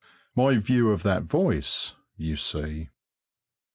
My view of that voice, you see.